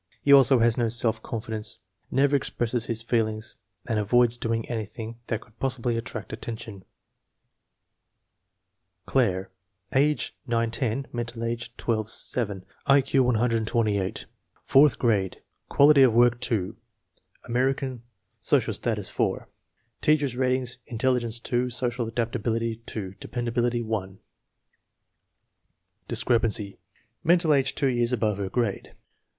He has no self confidence, never expresses his feelings, and avoids doing anything that could possibly attract attention. Claire. Age 9 10, mental age 12 7, I Q 128, fourth grade, quality of work 2. American, social status 4. Teacher's ratings: intelligence 2, social adaptability 2, de pendability 1. Discrepancy: Mental age two years above her grade.